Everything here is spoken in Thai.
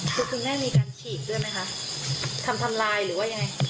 คือคุณแม่มีการฉีกด้วยไหมคะทำทำลายหรือว่ายังไง